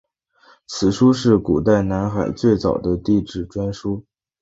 此书是古代南海最早的地志专书。